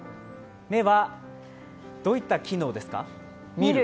目はどういった機能ですか？